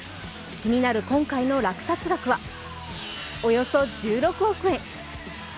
気になる今回の落札額は、およそ１６億円。